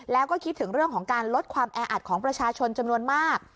แล้วก็คิดถึงเรื่องของการลดความแออัดของประชาชนจำนวนมาก